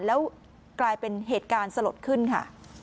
แล้วกลายเป็นเหตุการณ์สลดขึ้นค่ะ